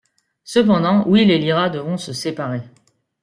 Cependant, Will et Lyra devront se séparer.